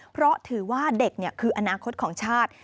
เพราะถือว่าเด็กคืออนาคตของชาติ